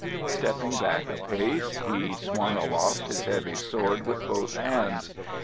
Stepping back a pace, he swung aloft his heavy sword with both hands.